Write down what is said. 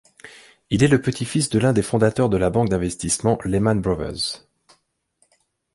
Il est le petit-fils de l'un des fondateurs de la banque d'investissement Lehman Brothers.